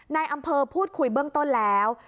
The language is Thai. ในอำเภอพูดคุยเบื้องต้นแล้ว